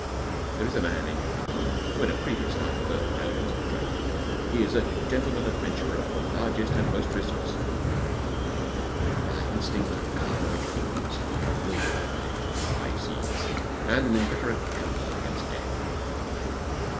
There is a man in Yokohama who in a previous life burned galleons with Drake. He is a gentleman adventurer of the largest and most resourceful by instinct a carver of kingdoms, a ruler of men on the high seas, and an inveterate gambler against Death.